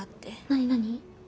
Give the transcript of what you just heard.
何？